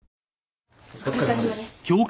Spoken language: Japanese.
お疲れさまです。